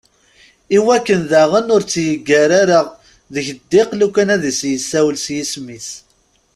Iwakken d aɣen ur tt-yeggar ara deg ddiq lukan ad as-isiwel s yisem-is.